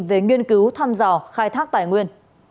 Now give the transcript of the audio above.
về nghiên cứu thăm dò khai thác tài nguyên